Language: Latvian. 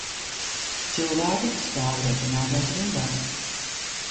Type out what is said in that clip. Cilvēki stāv retinātās rindās.